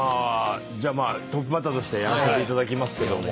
じゃあトップバッターとしてやらせていただきますけども。